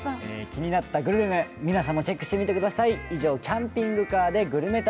気になったグルメ、皆さんもチェックしてみてください。